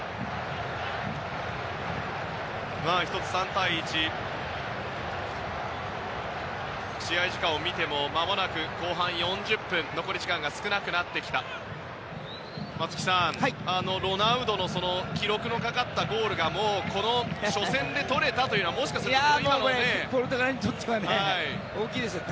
３対１、試合時間を見ても残り時間が少なくなってきて松木さん、ロナウドの記録のかかったゴールがこの初戦で取れたというのはもしかするとね。